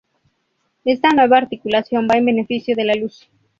Esta nueva articulación va en beneficio de la luz.